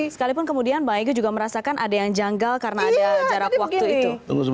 sekalipun kemudian mbak ege juga merasakan ada yang janggal karena ada jarak waktu itu